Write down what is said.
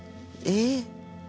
えっ！？